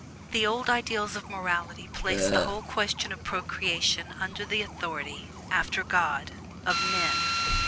The old ideals of morality placed the whole question of procreation under the authority (after God) of men.